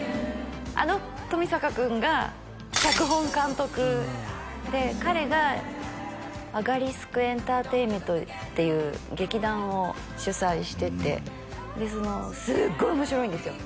あの冨坂君が脚本監督で彼がアガリスクエンターテイメントっていう劇団を主宰しててですっごい面白いんですよ